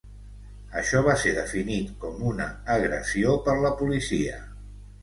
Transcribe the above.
Això va ser definit com una ‘agressió’ per la policia.